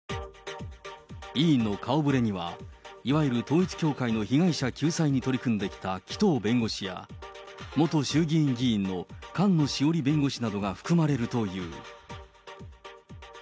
委員の顔ぶれには、いわゆる統一教会の被害者救済に取り組んできた紀藤弁護士や、元衆議院議員の菅野志桜里弁護士などが含まれるという。